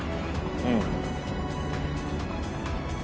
うん。